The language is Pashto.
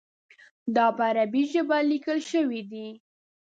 دا په عربي ژبه لیکل شوی دی.